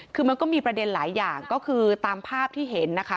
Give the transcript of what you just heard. คือมันก็มีประเด็นหลายอย่างก็คือตามภาพที่เห็นนะคะ